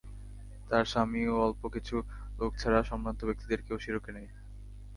তার স্বামী ও অল্প কিছু লোক ছাড়া সম্ভ্রান্ত ব্যক্তিদের কেউ শিরকে নেই।